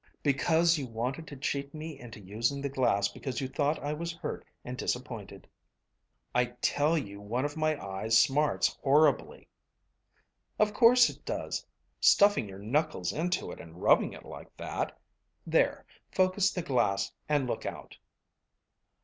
"Because you wanted to cheat me into using the glass because you thought I was hurt and disappointed." "I tell you one of my eyes smarts horribly." "Of course it does stuffing your knuckles into it and rubbing like that. There, focus the glass and look out."